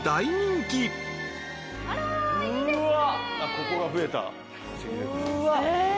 ここが増えた席。